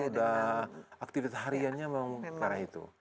sudah aktivitas hariannya memang karena itu